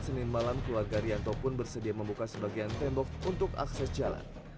senin malam keluarga rianto pun bersedia membuka sebagian tembok untuk akses jalan